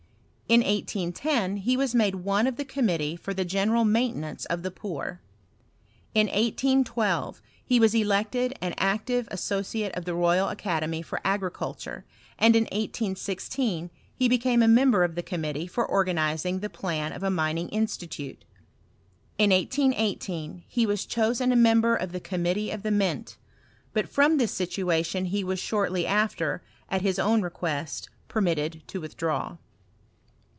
In 1810 he was made one of the committee for the general maintenance of the poor. In 1812 he was elected an active associate of the Royal Academy for Agriculture; and in 1816 he became a member of the committee for organizing the plan of a Mining Institute. In 1818 he was chosen a member of the committee of the Mint; but from this situation he was shortly after, at his own request, permitted to withdraw.